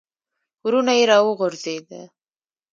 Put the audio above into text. ورونه یې را وغورځېده.